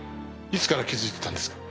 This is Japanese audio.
いつから気づいてたんですか？